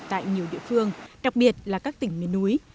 tại nhiều địa phương đặc biệt là các tỉnh miền núi